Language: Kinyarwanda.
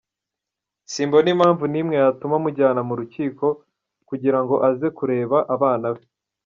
Simbona impamvu n’imwe yatuma mujyana mu rukiko kugira ngo aze kureba abana be.